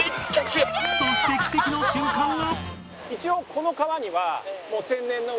そして奇跡の瞬間が